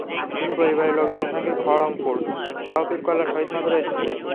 তিনি পরিবারের লোকজনের সঙ্গে খড়মপুর শাহ পীর কল্লা শহীদ মাজারে এসেছিলেন।